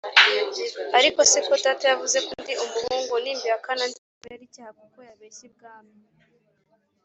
Ariko se ko data yavuze ko ndi umuhungu, nimbihakana ntibimubera icyaha kuko yabeshye ibwami?